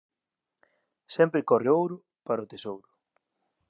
Sempre corre o ouro para o tesouro